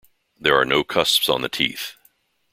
There are no cusps on the teeth.